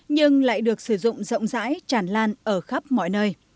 nhưng lại được sử dụng rộng rãi tràn lan ở khắp mọi nơi